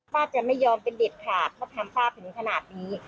ป้าจะไม่ยอมเป็นเด็ดขาดเขาทำป้าถึงขนาดนี้